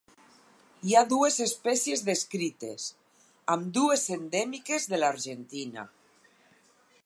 Hi ha dues espècies descrites, ambdues endèmiques de l'Argentina.